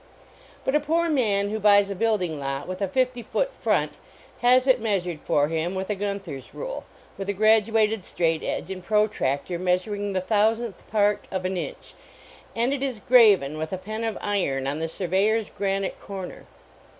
But a poor man who buys a building lot with a fifty foot front has it measured for him with a Gunther s rule, with a graduated straight edge and protractor measuring the thousandth part of an inch, and it is graven with a pen of iron on the surveyor s granite corner.